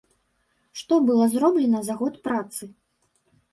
Што было зроблена за год працы?